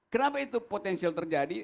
kenapa itu potensial terjadi